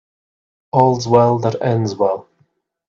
All's well that ends well.